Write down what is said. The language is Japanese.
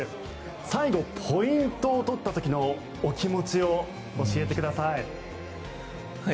最後、ポイントを取った時のお気持ちを教えてください。